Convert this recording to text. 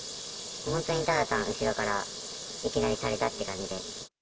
本当にただ単に後ろからいきなりされたって感じで。